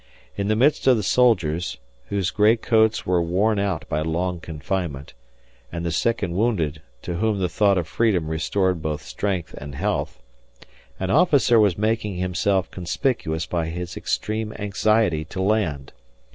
In the midst of of the soldiers, whose gray coats were worn out by lone confinement, and the sick and wounded, to whom the thought of freedom restored both strength and health, an officer was making himself conspicuous by his extreme anxiety to land.